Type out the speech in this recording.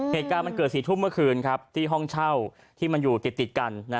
เหตุการณ์มันเกิด๔ทุ่มเมื่อคืนครับที่ห้องเช่าที่มันอยู่ติดกัน